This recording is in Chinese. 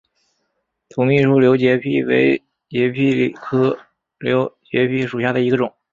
土蜜树瘤节蜱为节蜱科瘤节蜱属下的一个种。